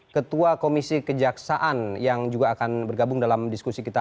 ketua komisi kejaksaan yang juga akan bergabung dalam diskusi kita